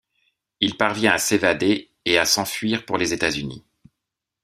Il parvient à s’évader et à s’enfuir pour les États-Unis.